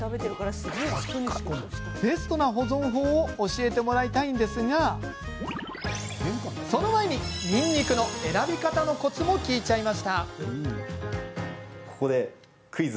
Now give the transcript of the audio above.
ベストな保存法を教えてもらいたいんですがその前に、にんにくの選び方のコツも聞いちゃいました。